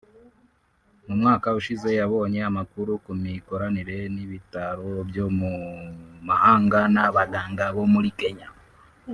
mu mwaka ushize yabonye amakuru ku mikoranire n’ibitaro byo mu mahanga n’abaganga bo muri Kenya